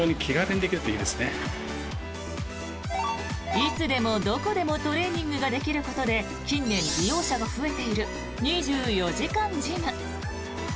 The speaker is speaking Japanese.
いつでもどこでもトレーニングができることで近年、利用者が増えている２４時間ジム。